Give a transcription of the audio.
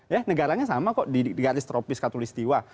ya negaranya sama kok di garis tropis katolik setiwa